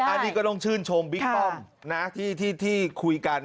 อันนี้ก็ต้องชื่นชมบิ๊กป้อมนะที่คุยกัน